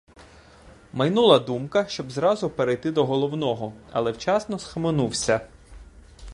Майнула думка, щоб зразу перейти до головного, але вчасно схаменувся.